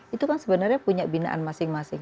itu kan sebenarnya punya binaan masing masing